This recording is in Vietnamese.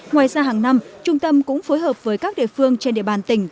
ngoài ra hàng năm trung tâm cũng phối hợp với các địa phương trên địa bàn tỉnh